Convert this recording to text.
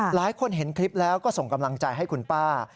หลายคนเห็นคลิปแล้วก็ส่งกำลังใจให้คุณป้า